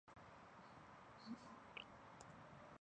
血红素能够帮助酶催化其底物分子。